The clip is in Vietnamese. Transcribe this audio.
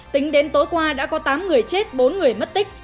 tính đến tối qua đã có tám người chết bốn người mất tích